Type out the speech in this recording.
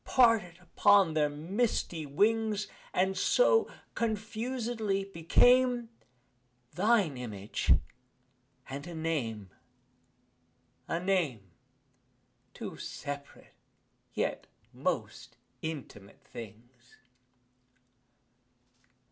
Parted upon their misty wings, And, so, confusedly, became Thine image, and a name a name! Two separate yet most intimate things.